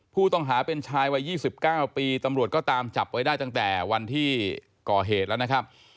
ผู้ต้องหาเป็นชายวัย๒๙ปีตำรวจก็ตามจับไว้ได้ตั้งแต่วันที่ก่อเหตุแล้วนะครับ